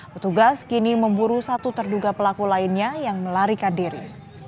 petugas kini memburu satu terduga pelaku lainnya yang melarikan diri